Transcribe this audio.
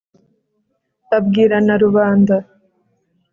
abwira na rubanda